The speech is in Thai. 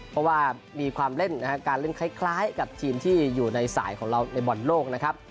เพราะว่ามีความเล่นนะครับการเล่นคล้ายกับทีมที่อยู่ในสายของเราในบอลโลกนะครับ